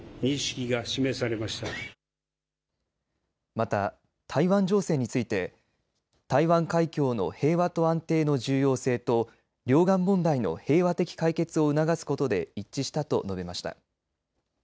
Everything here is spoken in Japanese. また、台湾情勢について台湾海峡の平和と安定の重要性と両岸問題の平和的解決を促すことで一致したと述べました。